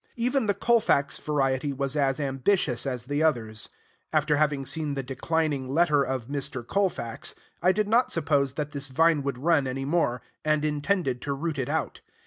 Even the Colfax variety was as ambitious as the others. After having seen the declining letter of Mr. Colfax, I did not suppose that this vine would run any more, and intended to root it out.